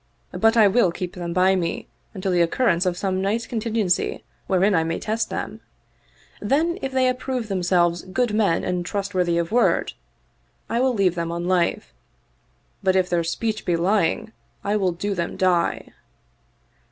But I will keep them by me until the occurrence of some nice contin gency wherein I may test them ; then, if they approve them selves good men and trustworthy of word, I will leave them on life; but if their speech be lying I will do them die."